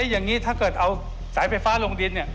อย่างนี้ถ้าเกิดเอาสายไฟฟ้าลงดิน